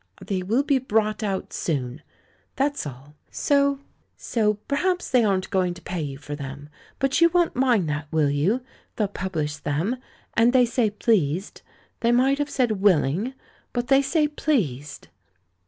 'They will be brought out soon.' That's all. So THE LAURELS AND THE LADY 125 — so perhaps they aren't going to pay you for them; but you won't mind that, will j^ou? They'll pubhsh them! And they say 'pleased.' They might have said 'willing,' but they say 'pleased'